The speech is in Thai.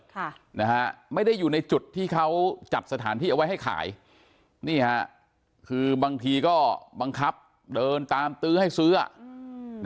ค่ะนะฮะไม่ได้อยู่ในจุดที่เขาจัดสถานที่เอาไว้ให้ขายนี่ฮะคือบางทีก็บังคับเดินตามตื้อให้ซื้ออ่ะอืม